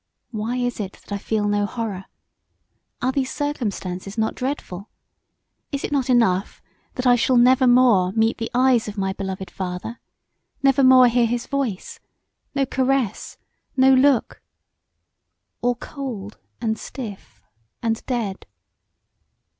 Why is it that I feel no horror? Are these circumstances not dreadful? Is it not enough that I shall never more meet the eyes of my beloved father; never more hear his voice; no caress, no look? All cold, and stiff, and dead!